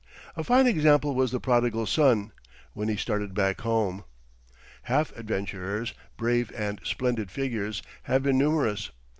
A fine example was the Prodigal Son—when he started back home. Half adventurers—brave and splendid figures—have been numerous.